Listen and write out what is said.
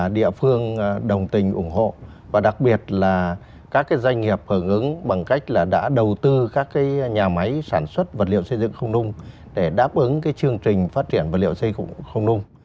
địa phương đồng tình ủng hộ và đặc biệt là các doanh nghiệp hợp ứng bằng cách đã đầu tư các nhà máy sản xuất vật liệu xây dựng không nung để đáp ứng chương trình phát triển vật liệu xây không nung